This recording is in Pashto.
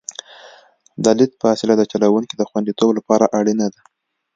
د لید فاصله د چلوونکي د خوندیتوب لپاره اړینه ده